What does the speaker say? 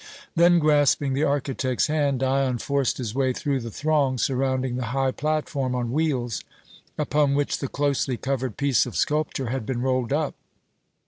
Then grasping the architect's hand, Dion forced his way through the throng surrounding the high platform on wheels, upon which the closely covered piece of sculpture had been rolled up.